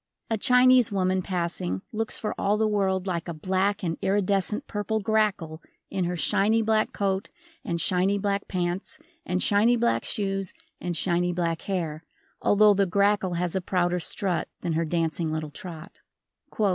A Chinese woman passing looks for all the world like a black and iridescent purple grackle in her shiny black coat and shiny black pants and shiny black shoes and shiny black hair, although the grackle has a prouder strut than her dancing little trot.